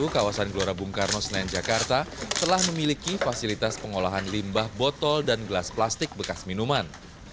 kawasan gelora bung karno senayan jakarta telah memiliki fasilitas pengolahan limbah botol dan gelas plastik bekas minuman